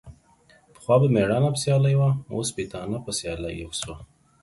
پخوا به ميړانه په سيالي وه ، اوس سپيتانه په سيالي سوه.